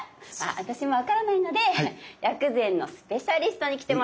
私も分からないので薬膳のスペシャリストに来てもらいました。